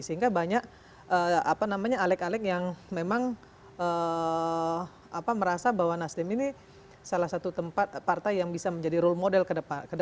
sehingga banyak apa namanya aleg aleg yang memang merasa bahwa nasdem ini salah satu tempat partai yang bisa menjadi role model kedamaian